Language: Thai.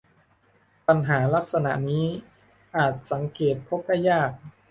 ปัญหาลักษณะนี้อาจสังเกตพบได้ยาก